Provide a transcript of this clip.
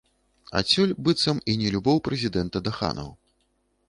Адсюль, быццам, і нелюбоў прэзідэнта да ханаў.